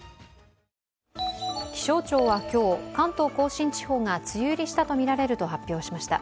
気象庁は今日、関東甲信地方が梅雨入りしたとみられると発表しました。